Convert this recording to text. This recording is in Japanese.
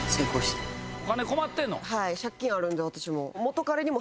はい借金あるんで私も。